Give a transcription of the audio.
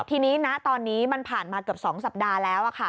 ทีนี้ณตอนนี้มันผ่านมาเกือบ๒สัปดาห์แล้ว